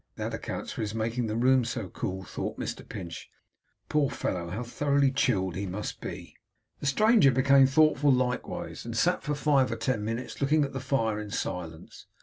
'That accounts for his making the room so cool,' thought Mr Pinch. 'Poor fellow! How thoroughly chilled he must be!' The stranger became thoughtful likewise, and sat for five or ten minutes looking at the fire in silence.